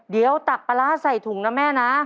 เดี๋ยวตักปลาร้าใส่ถุงนะแม่นะ